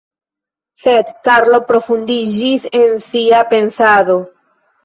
Sed Karlo profundiĝis en sia pensado.